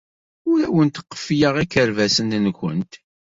Ur awent-qeffleɣ ikerbasen-nwent.